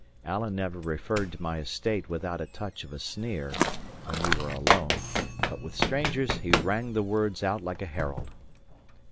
Alan never referred to my estate without a touch of a sneer, when we were alone; but with strangers, he rang the words out like a herald.